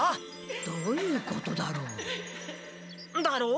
どういうことだろう？だろう？